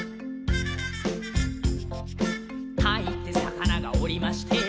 「タイってさかながおりまして」